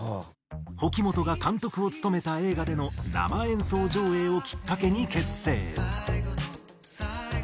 甫木元が監督を務めた映画での生演奏上映をきっかけに結成。